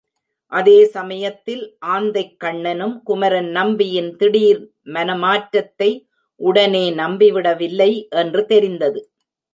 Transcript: அதே சமயத்தில் ஆந்தைக்கண்ணனும் குமரன் நம்பியின் திடீர் மனமாற்றத்தை உடனே நம்பிவிடவில்லை என்று தெரிந்தது.